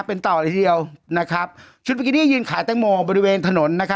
เป็นต่ออีกเดียวชุดบิกินี่ยืนขายแต่งโมกบริเวณถนน